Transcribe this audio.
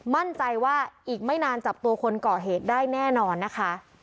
มั่นใจว่าอีกไม่นานจับตัวคนก่อเหตุได้แน่นอนนะคะ